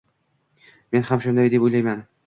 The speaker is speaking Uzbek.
Men ham shunday deb o'ylayman.